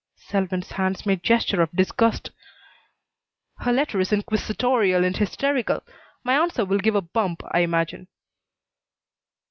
Selwyn's hands made gesture of disgust. "Her letter is inquisitorial and hysterical. My answer will give a bump, I imagine."